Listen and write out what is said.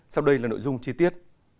sau đây là nội dung chi tiết